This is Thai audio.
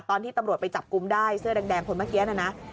ตอนที่ตำรวจไปจับกลุ่มได้เสื้อแดงคนเมื่อกี้นะนะ